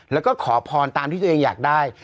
แล้วก็ขอพรตามที่ตัวเองอยากได้